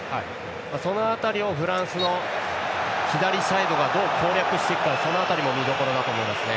その辺りをフランスの左サイドがどう攻略していくかその辺りも見どころだと思います。